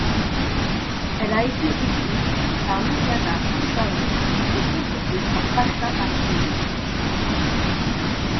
Elle a été écrite par Iuliana Scutaru et composée par Pasha Parfeny.